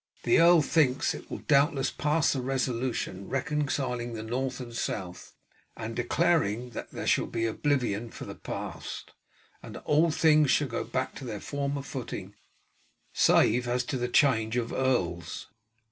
"The earl thinks it will doubtless pass the resolution reconciling the North and South, and declaring that there shall be oblivion for the past, and that all things shall go back to their former footing save as to the change of earls."